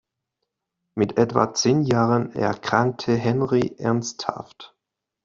Mit etwa zehn Jahren erkrankte Henri ernsthaft.